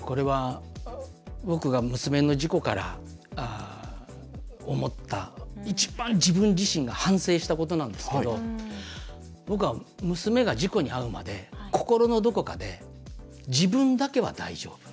僕が娘の事故から思った一番自分自身が反省したことなんですけど僕は娘が事故に遭うまで心のどこかで自分だけは大丈夫。